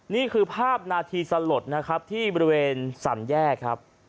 นี่คือภาพนาทีสลดนะครับที่บริเวณสามแยกครับ